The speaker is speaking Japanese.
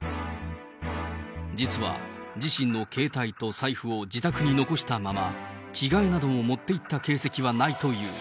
実は自身の携帯と財布を自宅に残したまま、着替えなども持っていった形跡もないという。